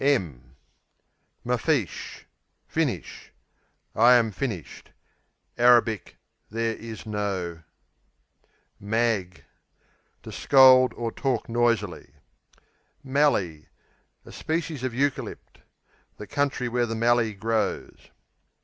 Mafeesh Finish; I am finished. [Arabic "there is no.."] Mag To scold or talk noisily. Mallee A species of Eucalypt; the country where the Mallee grows.